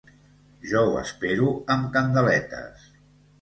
Jo ho espero amb candeletes.